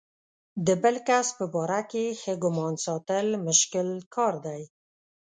د بل کس په باره کې ښه ګمان ساتل مشکل کار دی.